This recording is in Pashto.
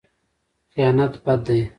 خیانت بد دی.